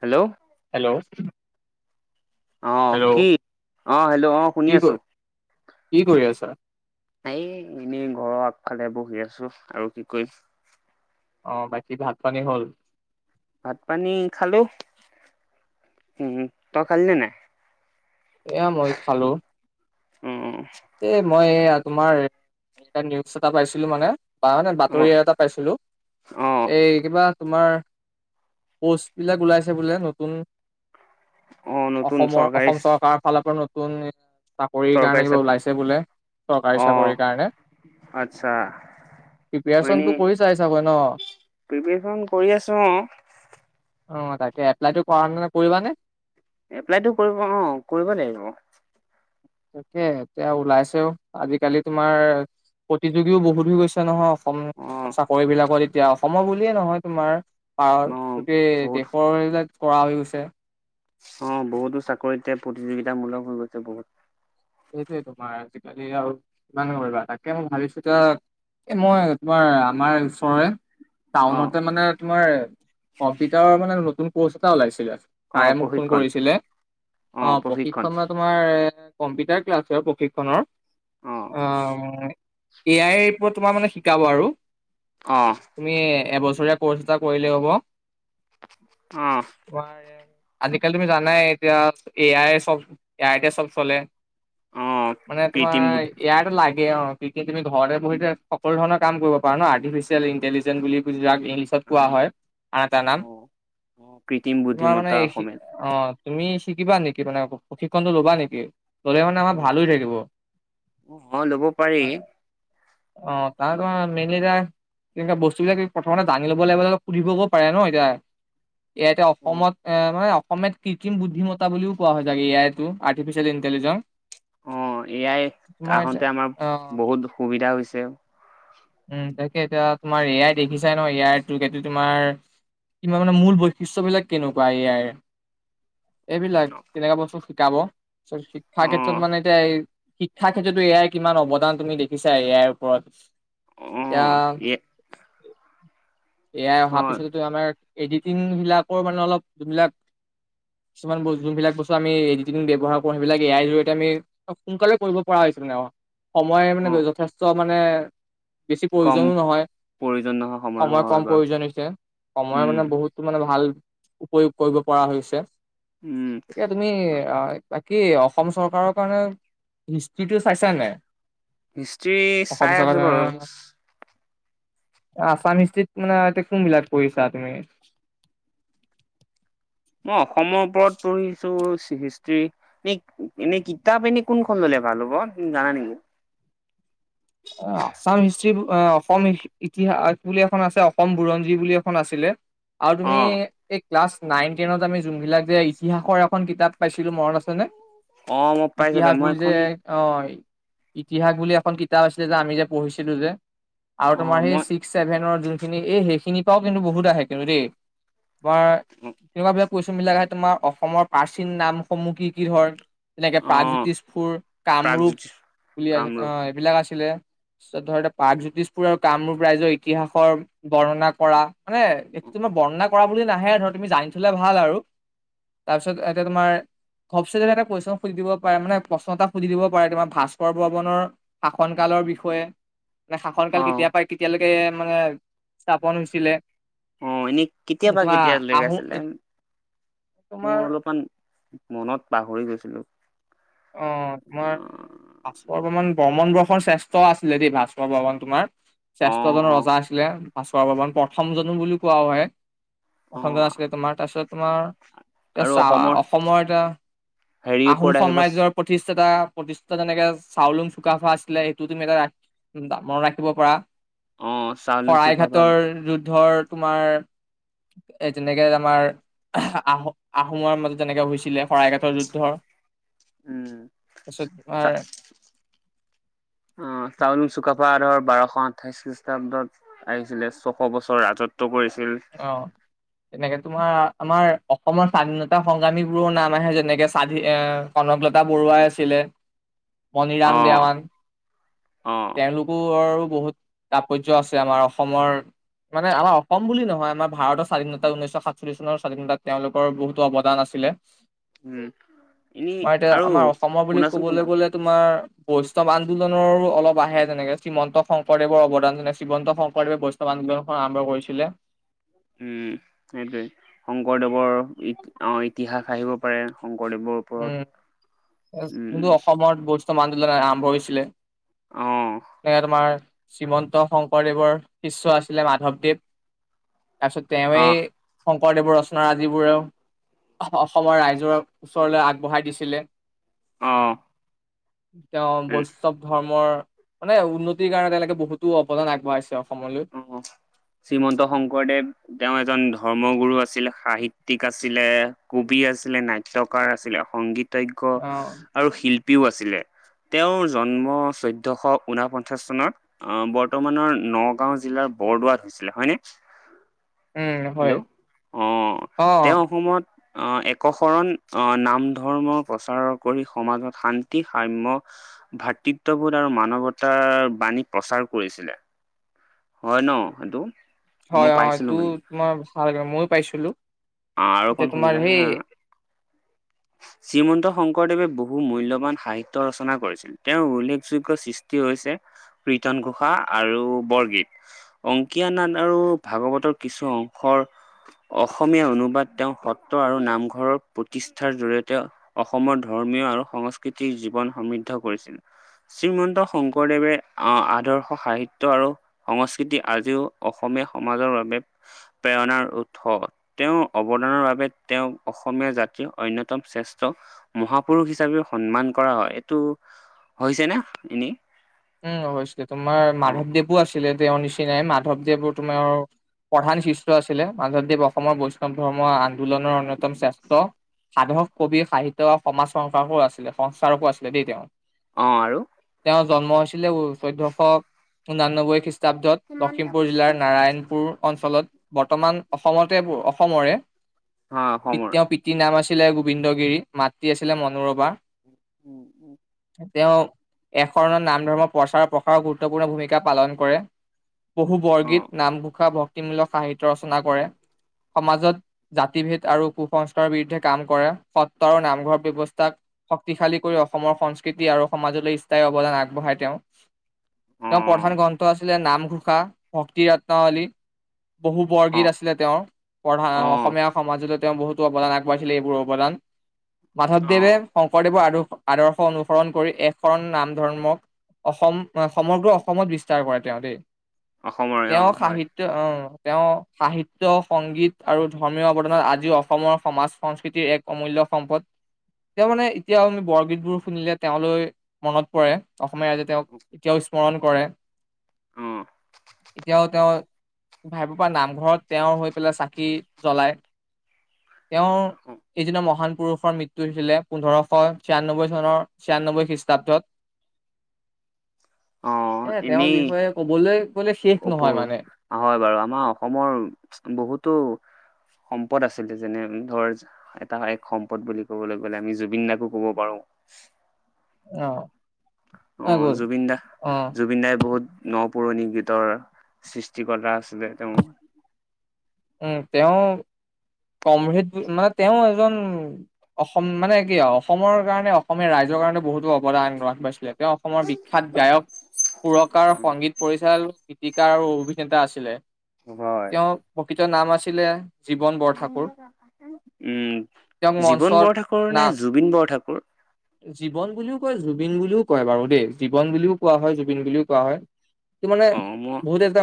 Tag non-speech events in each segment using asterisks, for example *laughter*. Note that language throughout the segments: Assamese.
হেল্ল, হেল্ল, অ, হেল্ল' কি অ, হেল্ল, অ, শুনি কি ক আছো। কি কৰি আছা। এই, এনেই ঘৰৰ আগফালে বহি আছো আৰু কি কৰিম। অ, বাকী ভাত পানী হ'ল। ভাত পানী খালো উম, তই খালে নে নাই। এয়া মই খালো। উম, এ, মই এয়া তোমাৰ নিউজ এটা পাইছিলো মানে। নে, অ বাতৰি এটা পাইছিলো অ অ এই কিবা তোমাৰ। প'ষ্টবিলাক ওলাইছে বোলে নতুন অ নতুন চৰকাৰী অসমৰ-অসম চৰকাৰৰ ফালৰ পৰা নতুন চাকৰি কাৰণে চৰকাৰী কিবা চাক ওলাইছে এ চৰকাৰি অ চাকৰি কাৰণে আচ্ছা প্ৰিপেৰেচনটো কৰি চাই *unintelligible* চাবৈ ন' প্ৰিপেৰে্চন কৰি আছো অ'। অ', তাকে, এপ্লাইতটো কৰা মানে কৰিবা নে? এপ্লাইতটো কৰিব অ', কৰিব লাগিব। তাকে এতিয়া ওলাইছেও আজিকালি তোমাৰ প্ৰতিযোগীও বহুত হৈ গৈছে নহয় অসম চাকৰি বিলাকত এতিয়া অসমৰ বুলিয়ে নহয় তোমাৰ পাৰ অ গোটেই বহুত দেশৰিল *unintelligible* কৰা হৈ গৈছে অ', বহুতো চাকৰিতে প্ৰতিযোগিতামূলক হৈ গৈছে বহুত। সেইটোৱে তোমাৰ আজিকালি আৰু কিমান কৰিবা তাকে মই ভাবিছো এ এ মই তোমাৰ আমাৰ ওচৰৰে অ টাউনতে মানে তোমাৰ কম্পিউটাৰৰ মানে নতুন কৰ্চ এটা ওলাইছিলে অ চাৰে মোক ফোন প্ৰশিক্ষণ কৰিছিলে অ', প্ৰশিক্ষণ তোমাৰ কম্পিউটাৰ ক্লাছ আৰু প্ৰশিক্ষণৰ অ অ'। এ আই এৰ ওপৰত তোমাৰ মানে শিকাব আৰু। অ'। তুমি এবছৰীয়া কৰ্চ এটা কৰিলেই হ'ব। অ'। আজিকালি তুমি জানাই এতিয়া এ আই চ এ আইটে চ'ব চলে। অ', মানে তোমাৰ কৃত্ৰিম বুদ ইয়াত লাগে অ' কি কি তুমি ঘৰতে বহি থা সকলোৰণৰ কাম কৰিব পাৰ ন' আৰ্টিফিচিয়েল ইণ্টেলিজেন্ বুলি যাক কোৱা অ', হয় আন এটা নাম অ'। অ', কৃত্ৰিম তোমাৰ মানে বুদ্ধিমত্তা এই অসমীয়াত অ', তুমি শিকিবা নেকি? তানে প্ৰশিক্ষণতটো ল'বা নেকি? ল'লে মানে আমাৰ অ', ভাল থাকিব। অ', ল'ব পাৰি। অ', তাৰ কাৰণে মেনলি এ তেনেকুৱা বস্তুিলাক প্ৰথমতে জানি ল'ব লাগ লগে সুধিবও পাৰে ন' এতিয়া। এয়া এতিয়া অ', অসমত এ মানে অসমীয়াত কৃত্ৰিম বুদ্ধিমতা বুলিও কোৱা হয় এ আইটো আৰ্টিফিচিয়েল ইণ্টেলিজেন্ঞ্চ। অ', এয়াই আহোতে আমাৰ অ বহুত সুবিধা হৈছে। উম, তাকে এতিয়া তোমাৰ এয়াই দেখিছাই ন ইয়াৰ *unintelligible* এটো তোমাৰ কিবা মানে মূল বৈশিষ্ট্য বিলাক কেনেকুৱা ইয়াৰ এইবিলাক তেনেকা বস্তু শিকাব, শিক্ষাৰ অ', ক্ষেত্ৰত মানে এতিয়া এই শিক্ষাৰ ক্ষেত্ৰতো এ আইৰ কিমান অৱদান তুমি দেখিছা এ আইৰ ওপৰত। এতিয়া, অ', এ এ আই অহাৰ অ', পিছততো আমাৰ এডিটিং বিলাকৰ মানে অলপ যোনবিলাক, কিছুমান যোনবিলাক বস্তু আমি এডিটিং ব্যৱহাৰ কৰো সেইবিলাক এ আইৰ জৰিয়তে আমি সোনকালে কৰিব পৰা হৈছিলে ন। সময় মানে অ', যথেষ্ট মানে বেছি কম প্ৰয়োজনো নহয়, প্ৰয়োজন নহয় সময় হয় কম বাৰু প্ৰয়োজন হৈছে সময় উম, মানে বহুত মানে ভাল উপয়োগ কৰিব পৰা হৈছে। উম। এতিয়া তুমি বাকী অসম চৰকাৰৰ কাৰণে হিষ্ট্ৰিটো চাইছানে নাই? হিষ্ট্ৰি অসম চাই আছো চৰকাৰ বাৰু। আসাম হিষ্ট্ৰিত মানে কোনবিলাক পঢ়িছা তুমি? মই অসমৰ ওপৰত পঢ়িছো চি *unintelligible* এনে কিতাপ এনে কোনখন ল'লে ভাল হ'ব জানা নেকি এ আছাম হিষ্ট্ৰি অসম ইতিহাস বুলি এখন আছে অসম বুৰঞ্জী বুলি এখন আছিলে। আৰু তুমি অ', এই ক্লাছ নাইন টেনত আমি যোনবিলাক যে ইতিহাসৰ এখন কিতাপ পাইছিলো মনত আছেনে? অ', মই পাইছো দে ইতিহাস মই বুলি যে এখন অ', ইতিহাস বুলি এখন কিতাপ আছিলে যে আমি যে পঢ়িছিলো যে, আৰু তোমাৰ অঁ মই সেই চেভেনৰ যোনখিনি এই সেইখিনিৰ পৰাও কিন্তু বহুত আহে কিন্তু দেই, *unintelligible* কুৱেশ্যন বিলাক আহে তোমাৰ অসমৰ প্ৰাচীন নামসমূহ কি কি হয়। তেনেকে অঁ প্ৰাগজ্যোতিষপুৰ, কামৰূপ প্ৰাগজ্যোতিষ বুলি কামৰূপ এইবিলাক আছিলে। *unintelligible* প্ৰাগজ্যোতিষপুৰ আৰু কামৰূপ ৰাইজৰ ইতিহাসৰ বৰ্ণনা কৰা, মানে এইটো তোমাৰ বৰ্ণনা কৰা বুলি নাহে ধৰ তুমি জানি থ'লে ভাল আৰু। তাৰপিছত এতে তোমাৰ *unintelligible* এটা কুৱেশ্যন সুধি দিব পাৰে মানে প্ৰশ্ন এটা সুধি দিব পাৰে তোমাৰ ভাস্কৰ বৰ্মনৰ শাসন কালৰ বিষয়ে, মানে শাসনকাল অঁ কেতিয়া পাই কেতিয়ালৈকে মানে স্থাপন হৈছিলে অঁ এনেই তোমাৰ কেতিয়াবা কিন্তু কেতিয়া আহোম লগাইছিলে তোমাৰ মোৰ অলপমান মনত পাহৰি গৈছিলো। অ', মই ভাস্কৰ বৰ্মণ বৰ্মণ বংশৰ শ্ৰেষ্ঠ আছিলে দেই ভাস্কৰৰ বৰ্মণ তোমাৰ। শ্ৰেষ্ঠ অঁ জন অঁ ৰজা আছিলে ভাস্কৰ বৰ্মন প্ৰথম জনো বুলি কোৱা হয়। প্ৰথমে অঁ আছিলে তোমাৰ তাৰপিছত তোমাৰ, এ চা অসমৰ এটা হেৰিৰ আহোম ওপৰত আহিব সম্ৰাজ্যৰ প্ৰতিষ্ঠাতা প্ৰতিষ্ঠা যেনেকে চাউলুং চুকাফা আছিলে সেইটো তুমি এটা ৰা *unintelligible* মৰত ৰাখিব পাৰা, অঁ চাউলুং শৰাই চুকাফা ঘাটৰ যুদ্ধৰ তোমাৰ এ তেনেকে আমাৰ আহ আহোম আহোমৰ মাজত তেনেকে হৈছিলে শৰাইঘাটৰ যুদ্ধৰ উম তাৰপিছত চা তোমাৰ *inaudible* অ', চাউলুং চুকাফা আধৰ বাৰশ আঠাইশ খ্ৰীষ্টাব্দত আহিছিলে ছশ বছৰ ৰাজত্ব কৰিছিল। অ'। তেনেকে তোমাৰ আমাৰ অসমৰ স্বাধীনতা সংগ্ৰামী বোৰৰ নাম আহে যেনেকে স্বাধী অ'। কনকলতা বৰুৱাই আছিলে, মণিৰাম অঁ দেৱান। অঁ তেওঁলোকৰৰো বহুত তাৎপৰ্য্য আছে আমাৰ অসমৰ মানে আমাৰ অসম বুলি নহয় *unintelligible* আমাৰ ভাৰতৰ স্বাধীনতা উনৈশ সাতচল্লি চনৰ স্বাধীনতা তেওঁলোকৰ বহুতো অৱদান আছিলে। উম এনেই তোমাৰ এতিয়া আৰু আমাৰ অসমৰ বুলি শুনাচোন শুনা ক'বলৈ গ'লে তোমাৰ। বৈষ্ণৱ আন্দোলনৰো অলপ আহে যেনেকে শ্ৰীমন্ত শংকৰদেৱৰ অৱদান যেনে শ্ৰীমন্ত শংকৰদেৱে বৈষ্ণৱ *unintelligible* আৰম্ভ কৰিছিলে। উম, সেইটোৱেই, শংকৰদেৱৰ ইত অ', ইতিহাস আহিব পাৰে। শংকৰদেৱৰ ওপৰত উম, *unintelligible* উম অসমত ব *unintelligible* আন্দোলন আৰম্ভ হৈছিলে অ সেনেকে তোমাৰ শ্ৰীমন্ত শংকৰদেৱৰ শিষ্যয় আছিলে মাধৱদেৱ তাৰপিছত তেৱে অ শংকৰদেৱৰ ৰচনা আ যিবোৰেও অসমৰ ৰাইজৰ ওচৰলৈ আগবঢ়াই দিছিলে। অ'। তেওঁ উম বৈষ্ণৱ ধৰ্মৰ মানে উন্নতিৰ কাৰণে তেওঁলোকে বহুতো অৱদান আগবঢ়াইছে অসমলৈ। অ', শ্ৰীমন্ত শংকৰদেৱ তেওঁ এজন ধৰ্মগুৰু আছিল সাহিত্যয়িক আছিলে কবি আছিলে নাট্যয়কাৰ আছিলে সংগীত। পজ্ঞ অ আৰু শিল্পীও আছিলে। তেওঁৰ জন্ম চৈধ্যশ ঊনাপঞ্চাশ চনত আহ বৰ্তমানৰ ন নগাঁও জিলাৰ বৰদোৱাত হৈছিলে হয়নে। উম হয় হেল্ল' আহ অ তেওঁ অসমত। আহ একশৰণ আহ নাম ধৰ্ম প্ৰচাৰ কৰি সমাজত শান্তি শাম্য ভাতৃত্ববোধ আৰু মানৱতাৰ বাণীক প্ৰচাৰ কৰিছিলে। হয় ন সেইটো। মই হয় অ', পাইছিলো মানে তোমই ভাল ময়ো পাইছিলো। অ', আৰু এতিয়া কণ তোমাৰ শুনিবা হা। সেই শ্ৰীমন্ত শংকৰদেৱে বহু মূল্যবান সাহিত্য ৰচনা কৰিছিল। তেওঁৰ উল্লেখযোগ্য সৃষ্টি হৈছে প্ৰীতন ঘোষা আৰু বৰগীত। অংকীয়া নাদ আৰু ভাগৱতৰ কিছু অংশৰ। অসমীয়া অনুবাদ তেওঁ সত্ৰ আৰু নামঘৰৰ প্ৰতিষ্ঠ। শিকাৰ জৰি়য়তে অসমৰ ধৰ্মীয় আৰু সংস্কৃতিৰ জীৱন সমৃদ্ধ কৰিছিল। শ্ৰীমন্ত শংকৰদেৱে আহ আদৰ্শ সাহিত্য আৰু। সংস্কৃতি আজিও অসমীয়া সমাজৰ বাবে। প্ৰেৰণাৰ উৎস তেওঁৰ অৱদানৰ বাবে তেওঁ অসমীয়া জাতীয়। অন্যতম শ্ৰেষ্ঠ মহাপুৰুষ হিচাপে সন্মান কৰা হয় এইটো। হৈছেনে এনেই। উমশে তোমাৰ অ মাধৱদেৱো আছিলে তেওঁৰ নিচিনাই মাধৱদেৱো তোমাৰ। প্ৰধান শিষ্য আছিলে মাধৱদেৱ অসমৰ বৈষ্ণৱ ধৰ্ম আন্দোলনৰ অন্যতম শ্ৰেষ্ঠ। সাধক কবি সাহিত্য সমাজ সংসো আছিলে সংস্কাৰকো আছিলে দেই তেওঁ। অ আৰু। তেওঁৰ জন্ম হৈছিলে চৈধ্যয়শ ঊনানব্বৈ খ্ৰীষ্ট। লখিমপুৰ জিলাৰ নাৰায়ণপুৰ অঞ্চলত। বৰ্তমান অসমতে অসমৰে অ অসমৰ। তেওঁ প। মাতৃ নাম আছিলে গোবিন্দগিৰি মাতৃ আছিলে মনোৰমা। উম, উম, উম। তেওঁ এ শৰণত নাম ধৰ্মৰ প্ৰচাৰৰ প্ৰসাৰৰ গুৰুত্বপূৰ্ণ ভূমিকা পালন কৰে। বহু অ বৰগীত নামঘোষা ভক্তিমূলক সাহিত্য ৰচনা কৰে সমাজত। জাতিভেদ আৰু কুসস্কাৰৰ বিৰুদ্ধে কাম কৰে সত্ৰ আৰু নামঘৰ ব্যৱস্থাক। শক্তিশালী কৰি অসমৰ সংস্কৃতি আৰু সমাজলৈ স্থায়ী অৱদান আগবঢ়াই তেওঁ। তেওঁৰ প্ৰধান অ গ্ৰন্থ আছিলে নামঘোষা ভক্তি ৰত্নৱলী। বহু বৰগীত আছিলে তেওঁৰ পঢধা অ অসমীয়া সমাজলৈ। তেওঁ বহুতো অৱদান আগবঢ়াইছিলে এইবোৰ অৱদান অ অ। মাধৱদেৱে শংকৰদেৱৰ আৰু। আদৰ্শ অনুসৰণ কৰি এখন নাম ধৰ্মক। অসম সমগ্ৰ অসমত বিস্তাৰ কৰে তেওঁ দেই অসমৰে অ তেওঁ হয় সাহিত। তেওঁ সাহিত্য সংগীত আৰু ধৰ্মীয়ৱদনত আজিও অসমৰ সমাজ সংস্কৃতিৰ এক। অমূল্য সম্পদ। এতিয়া মানে এতিয়াও আমি বৰগীত বোৰ শুনিলে তেওঁলৈ মনত পৰে। সময়জে তেওঁক এতিয়াও স্মৰণ কৰে অ এতিয়াও তেওঁ। ভাইৰ পৰা নামঘৰত তেওঁৰ হৈ পেলাই চাকি জ্বলায়। তেওঁ এই দিনা মহান পুৰুষৰ মৃত্যু হৈছিলে পোন্ধৰশ ছিয়ান্নব্বৈ চনৰ ছিয়ান্নব্বৈ খ্ৰীষ্টাব্দত অ এ তেওঁৰ এনেই বিষয়ে কবলৈ গ'লে শেষ নহয় অপৰূপ মানে হয় বাৰু আমাৰ অসমৰ বহুতো সম্পদ আছিলে যেনে ধৰ এটা এক সম্পদ বুলি ক'বলৈ গ'লে আমি জুবিন দাকো ক'ব পাৰো অ অ জুবিন দা অ জুবিন দাই বহুত ন পুৰণি গীতৰ সৃষ্টিক্তা আছিলে তেওঁ উম তেওঁ কমহ মানে তেওঁ এজন অসম মানে কি অসমৰ কাৰণে অসমীয়া ৰাইজৰ কাৰণে বহুতো অৱদান গ্ৰহণ কৰিছিলে তেওঁ অসমৰ বিখ্যাত গায়ক সুৰকাৰ সংগীত পৰিচাল গীতিকাৰ আৰু অভিনেতা আছিলে অ হয় তেওঁ প্ৰকৃত নাম আছিলে জীৱন বৰঠাকুৰ উম তেওঁক জীৱন মঞ্চত বৰঠাকুৰ না নে জুবিন বৰঠাকুৰ জীৱন বুলিও কয় জুবিন বুলিও কয় বাৰু দেই জীৱন বুলিও কোৱা হয় জুবিন বুলিও কোৱা হয় ত মানে অ মই বহুত এটা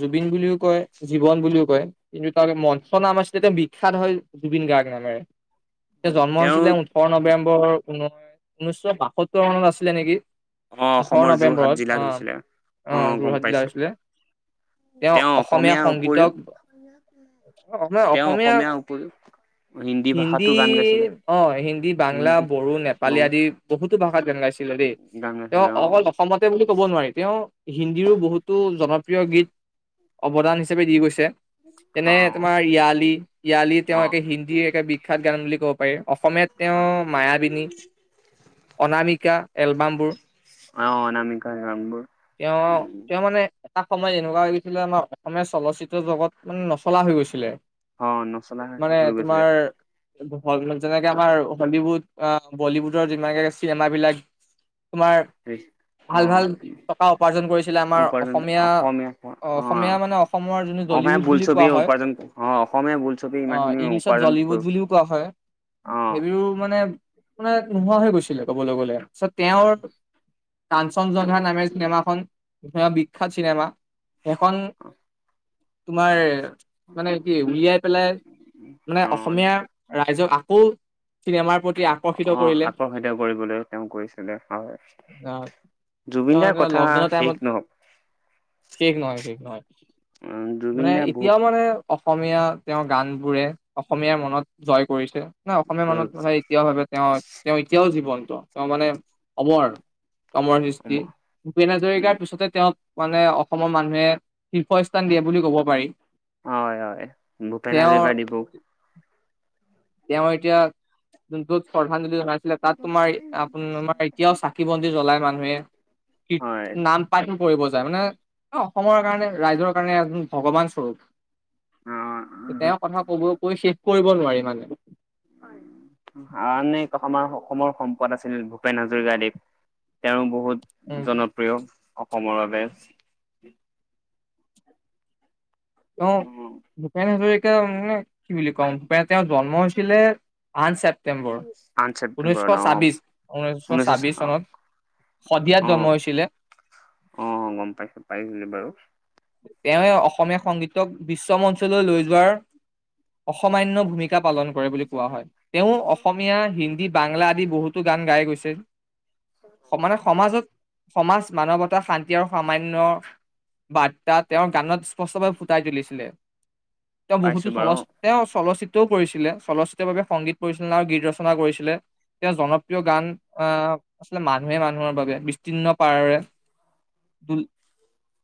জুবিন বুলিও কয় জীৱন বুলিও কয় কিন্তু তাৰ মঞ্চ নাম আছিলে এতিয়া বিখ্যাত হয় জুবিন গাৰ্গ নামেৰে এতিয়া জন্ম তেওঁ হৈছিলে ওঠৰ নৱেম্বৰ ঊনৈ নৈশ বাসত্তৰ মনত আছিলে নেকি অ ওঠৰ অসমৰ যোৰহাট নৱেম্বৰত জিলাত আহ হৈছিলে অ আহ গম যোৰহাট জিলা পাইছো আছিলে তেওঁ অসমীয়া অসমীয়াৰ উপৰিও সংগীতক অসম তেওঁ অসমীয়া অসমীয়াৰ উপৰিও ভাষাতো হিন্দী গান গাইছিলে অ হিন্দী বাংলা বড়ো নেপালী বং আদি বহুতো ভাষাত গান গাইছিলে দেই গান তেওঁ গাইছিলে অ অকল সমতে বুলি ক'ব নোৱাৰি তেওঁ হিন্দীৰো বহুতো জনপ্ৰিয় গীত অৱদানাপ হিচাপে দি গৈছে যেনে অ তোমাৰ ইয়ালি ইয়ালি তেওঁ অ একে হিন্দীৰ একে বিখ্যাত গান বুলি ক'ব পাৰি অসমীয়াত তেওঁ অ মায়াবিনী অনামিকা এলবামবোৰ আৰু নান সংখ্যাৰ তেওঁ নামবোৰ তেওঁ মানে এটা সময় এনেকুৱা লছিলে আমাৰ অসমীয়া চলচিত্ৰ জগত মানে নচলা হৈ গৈছিলে অ নচলা হ হৈ গৈছিলে হ যেনেকে আমাৰ হলীউড বলীউডৰ যিমানে চিনেম বিলাক তোমাৰ অ ভাল ভাল টকা উপাৰ্জন কৰিছিলে আমাৰ অসমীয়া অ অসমীয়া মানে অসম অসমীয়া জলিউড বুলি বোলছবি কয়া হয় উপাৰ্জন অ অসমীয়া বোলছবি অ ইমানখিনি ইংলিছত উপাৰ্জন জলিউড কৰি বুলি কোৱা হয় অ সেইবও মানে মাৰ নোহোৱা হৈ গৈছিলে ক'বলৈ গ'লে তেওঁৰ কাঞ্চন জংহা নামে চিনেমাখনন বিখ্যাত চিনেমা এখন তোমাৰ মানে কি উলিয়াই পেলাই মানে অ অসমীয়া ৰাইজক আকৌ চিনেমাৰ প্ৰতি আ অ আকৰ্ষিত কৰিবলৈ তেওঁ কৰিছিলে হয় আহ তেওঁ জুবিনদাৰ কথা লকডাউনৰ টাইমত শেষ নহক শেষ নহয় শেষ নহয় উম, জুবিন মানে দাৰ এতিয়া বহুত মানে অসমীয়া তেওঁৰ গানবোৰে অসমীয়াৰ মনত জয় কৰিছে ন অসমীয়া মানুহত এতিয়াও ভাবে তেওঁ তেওঁ এতিয়াও জীৱন্তটো তেওঁ মানে অমৰ কমৰ উম সৃষ্টি ভূপেন হাজৰিকাৰ পিছতে তেওঁক মানে অসমৰ মানুহে শীৰ্ষস্থান দিয়ে বুলি কব পাৰি হয় হয় ভূপেন তেওঁৰ হাজৰিকা দিপূক তেওঁ এতিয়া জন্তু চধ্যাণ জুলি জনাই তাত তোমাৰ আপ তমাৰ এতিয়াও চাকি বন্তি জ্বলাই মানুহে হয় নাম প পৰি যায় মানে অসমৰ কাৰণে ৰাইজৰ কাৰণে এ ভগৱান স্বৰূপ অ', তেওঁ কথা কব কৈ শেষ কৰিব নোৱাৰি মানে আনেে আমাৰ অসমৰ সম্পদ আছিল ভূপেন হাজৰিকাদেৱ তেওঁ বহুত উম জনপ্ৰিয় অসমৰ বাবে তেওঁ উম, দোকান হ মানে কি বুলি কওঁ তেওঁৰ জন্ম হৈছিলে আন ছেপটেম্বৰ আঠ ছেপ্টেম্বৰত ঊনৈছশ অ', ছাব্বিশ ঊনৈছশ ছাব্বিশ চনত শদিয়াত জন্ম অ', হৈছিলে অ গম পাইছো পাইছিলি বাৰু তেওঁ অসমীয়া সংগীতক বিশ্ব মঞ্চলৈ লৈ যোৱাৰ অসমান্য় ভূমিকা পালন কৰে বুলি কোৱা হয় তেওঁ অসমীয়া হিন্দী বাংলা আদি বহুতো গান গাই গৈছে সম মানে সমাজত সমাজ মানৱতা শান্তি আৰু সামান্য বাদ তেওঁৰ গানত স্পষ্টভাৱে ফুটাই তুলিছিলে তেওঁ বহুতো পাইছোঁ বাৰু। চলচ তেওঁ চলচিত্ৰও কৰিছিলে চলচিত্ৰৰ বাবে সংগীত পৰিছিলে আৰু গীত ৰচনা কৰিছিলে তেওঁ জনপ্ৰিয় গান আহ আচ মানুহে মানুহৰ বাবে বিস্তীৰ্ণ পাৰৰে দ